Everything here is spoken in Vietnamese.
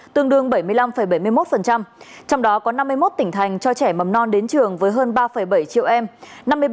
tương đương bảy mươi năm bảy mươi một trong đó có năm mươi một tỉnh thành cho trẻ mầm non đến trường với hơn ba bảy triệu em